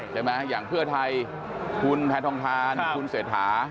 อย่างเพื่อไทยคุณแพทองทานคุณเศรษฐา